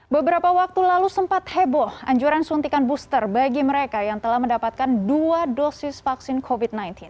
beberapa waktu lalu sempat heboh anjuran suntikan booster bagi mereka yang telah mendapatkan dua dosis vaksin covid sembilan belas